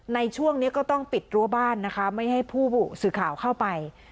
ในช่วงนี้ก็ต้องปิดรั้วบ้านนะคะไม่ให้ผู้สื่อข่าวเข้าไป